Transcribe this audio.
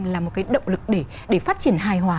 là một cái động lực để phát triển hài hòa